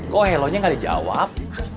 kok helonya gak dijawab